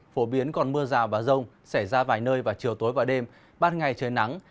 phổ biến còn mưa rào và rông xảy ra vài nơi vào chiều tối và đêm ban ngày trời nắng